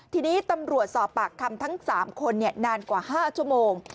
ทีนี้ตำรวจสอบปากคำทั้ง๓คนนานกว่า๕ชั่วโมง